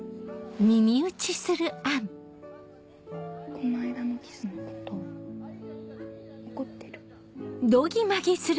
この間のキスのこと怒ってる？